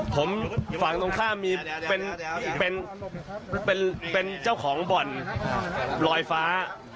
ผมฝั่งตรงข้ามมีเป็นเจ้าของบ่อนลอยฟ้า